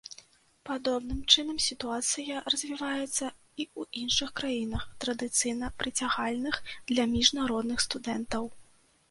Падобным чынам сітуацыя развіваецца і ў іншых краінах, традыцыйна прыцягальных для міжнародных студэнтаў.